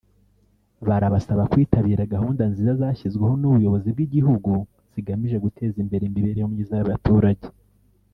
Barabasaba kwitabira gahunda nziza zashyizweho n’ubuyobozi bw’igihugu zigamije guteza imbere imibereho myiza y’abaturage